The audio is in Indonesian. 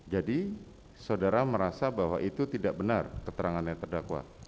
jadi saudara merasa bahwa itu tidak benar keterangan yang terdakwa